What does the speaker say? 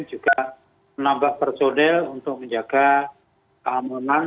juga menambah personel untuk menjaga keamanan